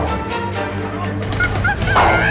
itu tak monsters